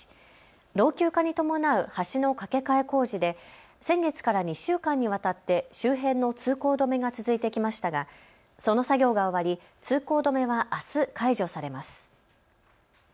老朽化に伴う橋の架け替え工事で先月から２週間にわたって周辺の通行止めが続いてきましたが、その作業が終わり通行止めはあす解除されます。